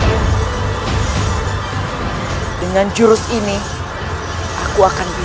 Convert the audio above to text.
dari bagian berikutnya